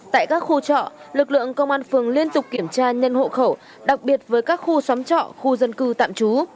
tại các khu trọ lực lượng công an phường liên tục kiểm tra nhân hộ khẩu đặc biệt với các khu xóm trọ khu dân cư tạm trú